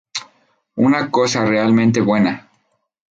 Una cosa realmente buena.